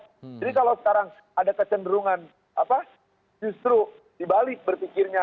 jadi kalau sekarang ada kecenderungan justru dibalik berpikirnya